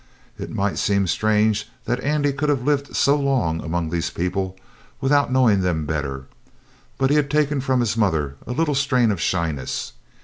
It might seem strange that Andy could have lived so long among these people without knowing them better, but he had taken from his mother a little strain of shyness.